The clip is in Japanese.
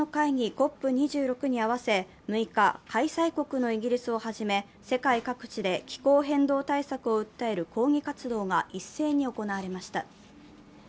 ＣＯＰ２６に合わせ６日、開催国のイギリスを初め、世界各地で気候変動対策を訴える抗議活動が一斉に行われました。